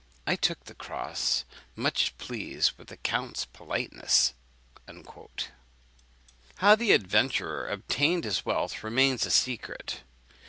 I took the cross, much pleased with the count's politeness." How the adventurer obtained his wealth remains a secret.